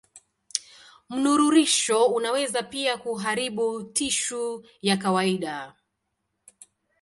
Mnururisho unaweza pia kuharibu tishu ya kawaida.